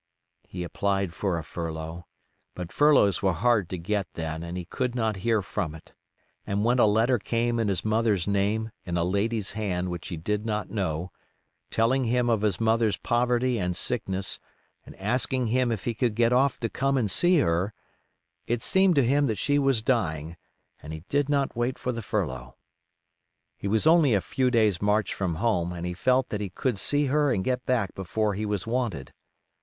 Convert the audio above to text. He applied for a furlough; but furloughs were hard to get then and he could not hear from it; and when a letter came in his mother's name in a lady's hand which he did not know, telling him of his mother's poverty and sickness and asking him if he could get off to come and see her, it seemed to him that she was dying, and he did not wait for the furlough. He was only a few days' march from home and he felt that he could see her and get back before he was wanted.